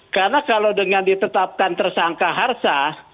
karena kalau dengan ditetapkan tersangka harsa